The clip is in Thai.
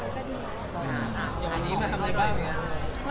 ก็ดีนะครับ